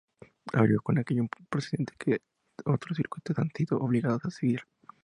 Abrió con ello un precedente que otros circuitos se han visto obligados a seguir.